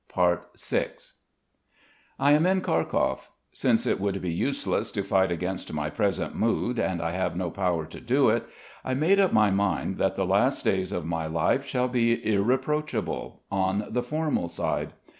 VI I am in Kharkov. Since it would be useless to fight against my present mood, and I have no power to do it, I made up my mind that the last days of my life shall be irreproachable, on the formal side.